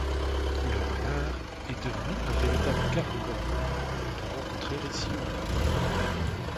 Le renard est devenu un véritable carnivore qu'on peut rencontrer ici ou là.